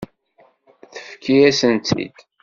Tefkiḍ-asen-tt-id.